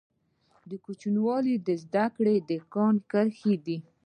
د کوچنیوالي زده کړي د کاڼي کرښي دي.